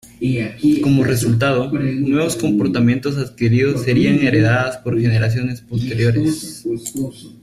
Como resultado, nuevos comportamientos adquiridos serían heredados por generaciones posteriores.